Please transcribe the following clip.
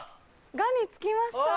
「が」に着きました。